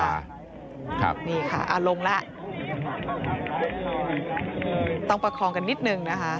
ต้องประคองกันนิดนึงนะครับ